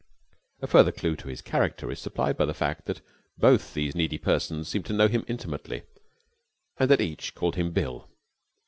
A further clue to his character is supplied by the fact that both these needy persons seemed to know him intimately, and that each called him Bill.